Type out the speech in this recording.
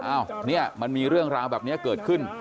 อ้าวนี่มันมีเรื่องราวแบบนี้เกิดขึ้น